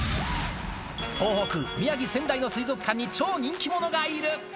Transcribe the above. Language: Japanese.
東北・宮城・仙台の水族館に超人気者がいる。